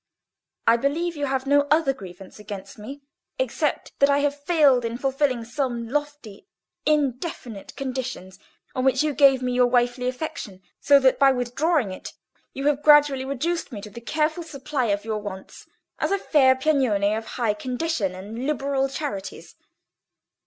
"I believe you have no other grievance against me—except that I have failed in fulfilling some lofty indefinite conditions on which you gave me your wifely affection, so that, by withdrawing it, you have gradually reduced me to the careful supply of your wants as a fair Piagnone of high condition and liberal charities.